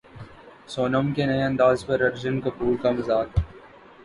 سونم کے نئے انداز پر ارجن کپور کا مذاق